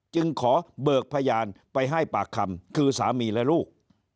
จึงขอเบิกพยานไปให้ปากคำคือสามีและลูก